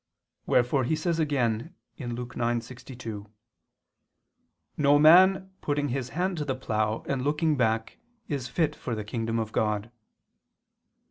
Wherefore He says again (Luke 9:62): "No man putting his hand to the plough, and looking back, is fit for the kingdom of God."